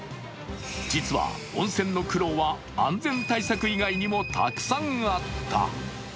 実は温泉の苦労は安全対策以外にもたくさんあった。